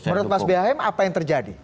menurut mas bhm apa yang terjadi